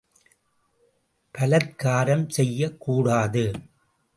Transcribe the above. பலாத்காரம் செய்யக் கூடாது.